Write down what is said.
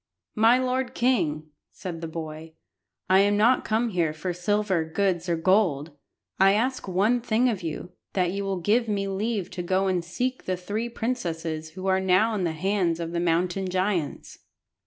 "My lord king," said the boy, "I am not come here for silver, goods, or gold! I ask one thing of you, that you will give me leave to go and seek the three princesses who are now in the hands of the mountain giants."